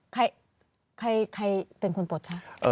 ใครใครเป็นคุณปลดคะ